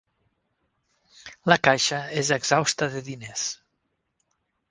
La caixa és exhausta de diners.